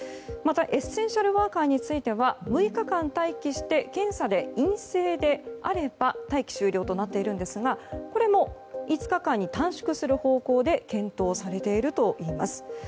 またエッセンシャルワーカーについては６日間待機して検査で陰性であれば待機終了となっているんですがこれも５日間に短縮する方向で検討されているといいます。